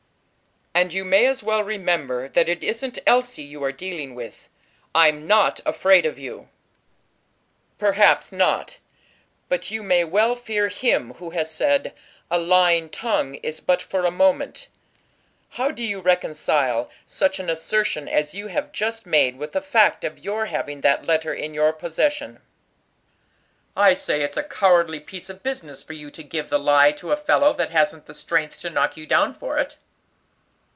"And you may as well remember that it isn't Elsie you are dealing with. I'm not afraid of you." "Perhaps not, but you may well fear Him who has said, 'a lying tongue is but for a moment.' How do you reconcile such an assertion as you have just made with the fact of your having that letter in your possession?" "I say it's a cowardly piece of business for you to give the lie to a fellow that hasn't the strength to knock you down for it."